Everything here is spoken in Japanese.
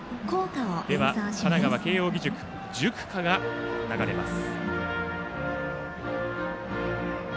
では、神奈川・慶応義塾の塾歌が流れます。